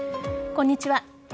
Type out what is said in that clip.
こんにちは。